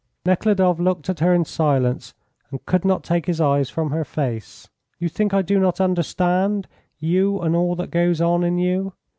Nekhludoff looked at her in silence, and could not take his eyes from her face. "You think I do not understand you and all that goes on in you.